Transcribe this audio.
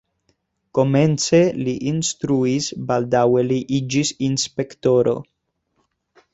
Komence li instruis, baldaŭe li iĝis inspektoro.